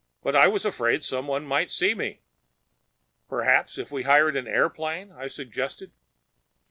But I was afraid someone might see me." "Perhaps if we hired an airplane—?" I suggested.